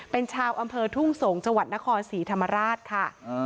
เป็นชาวอำเภอทุ่งสงศ์จังหวัดนครศรีธรรมราชค่ะ